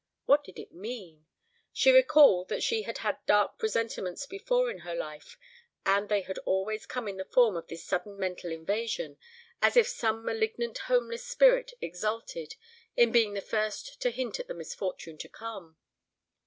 What did it mean? She recalled that she had had dark presentiments before in her life, and they had always come in the form of this sudden mental invasion, as if some malignant homeless spirit exulted in being the first to hint at the misfortune to come.